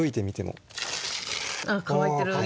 乾いている。